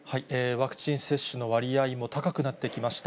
ワクチン接種の割合も高くなってきました。